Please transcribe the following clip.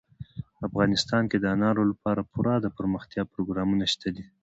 افغانستان کې د انارو لپاره پوره دپرمختیا پروګرامونه شته دي.